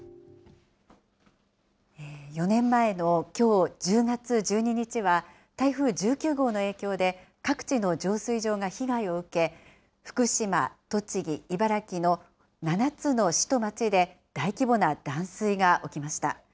４年前のきょう１０月１２日は、台風１９号の影響で、各地の浄水場が被害を受け、福島、栃木、茨城の７つの市と町で大規模な断水が起きました。